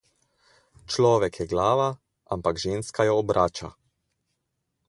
Človek je glava, ampak ženska jo obrača.